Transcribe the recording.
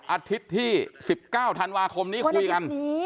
อาทิตย์ที่๑๙ธันวาคมนี้คุยกัน